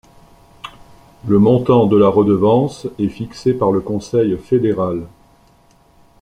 Le montant de la redevance est fixé par le Conseil fédéral.